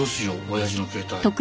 親父の携帯。